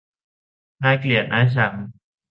น่าเกลียดน่าชัง